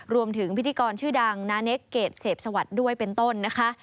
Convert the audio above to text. พิธีกรชื่อดังนาเนคเกรดเสพสวัสดิ์ด้วยเป็นต้นนะคะ